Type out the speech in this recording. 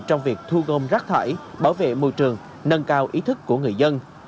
trong việc thu gom rác thải bảo vệ môi trường nâng cao ý thức của người dân